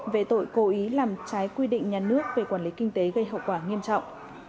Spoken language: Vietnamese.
về tội cố ý làm trái quy định nhà nước về quản lý kinh tế gây hậu quả nghiêm trọng